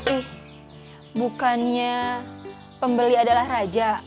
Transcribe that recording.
eh bukannya pembeli adalah raja